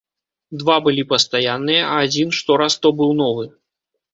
Два былі пастаянныя, а адзін штораз то быў новы.